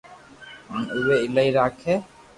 ھين اوري ايلائي راکي